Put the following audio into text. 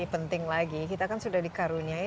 penting lagi kita kan sudah dikaruniai